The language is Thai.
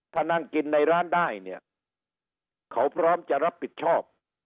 ถ้านั่งกินในร้านได้เนี่ยเขาพร้อมจะรับผิดชอบ